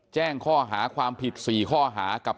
แจ้งข้อหาความผิด๔ข้อหากับ